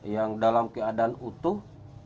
yang dalam keadaan utuh